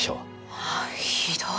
まあひどい。